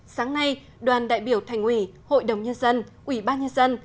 sáng nay đoàn đại biểu thành ủy hội đồng nhân dân ủy ban nhân dân